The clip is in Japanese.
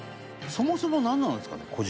そもそもなんなんですかね？